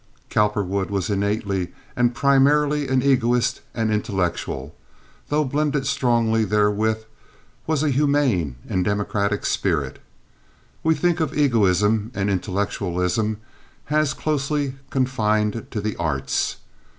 Cowperwood was innately and primarily an egoist and intellectual, though blended strongly therewith, was a humane and democratic spirit. We think of egoism and intellectualism as closely confined to the arts.